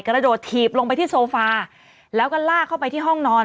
กระโดดถีบลงไปที่โซฟาแล้วก็ลากเข้าไปที่ห้องนอน